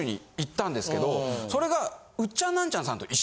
それが。